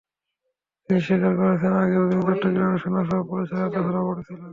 তিনি স্বীকার করেছেন, আগেও তিনি চট্টগ্রামে সোনাসহ পুলিশের হাতে ধরা পড়েছিলেন।